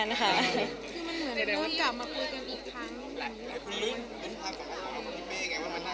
แล้วกันเพื่อนนะค่ะ